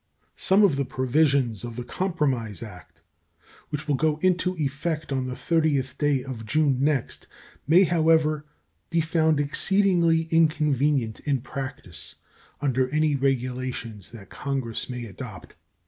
Some of the provisions of the compromise act, which will go into effect on the 30th day of June next, may, however, be found exceedingly inconvenient in practice under any regulations that Congress may adopt.